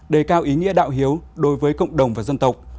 đề cao ý nghĩa đạo hiếu đối với cộng đồng và dân tộc